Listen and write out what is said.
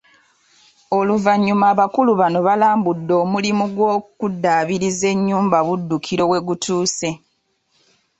Oluvannyuma abakulu bano balambudde omulimu gw’okuddaabiriza ennyumba Buddukiro we gutuuse.